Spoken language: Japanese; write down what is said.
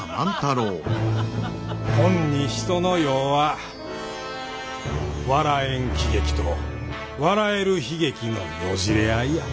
ほんに人の世は笑えん喜劇と笑える悲劇のよじれ合いや。